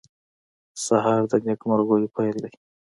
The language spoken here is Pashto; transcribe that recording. سهار د نیکمرغیو پېل دی.